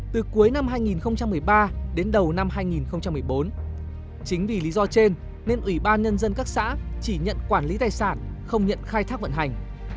từ cuối năm hai nghìn một mươi ba đến đầu năm hai nghìn một mươi bốn chính vì lý do trên nên ủy ban nhân dân các xã chỉ nhận quản lý tài sản không nhận khai thác vận hành